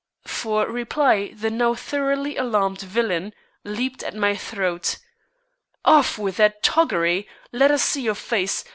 For reply the now thoroughly alarmed villain leaped at my throat. "Off with that toggery! Let us see your face!